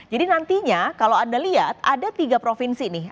jadi nantinya kalau anda lihat ada tiga provinsi nih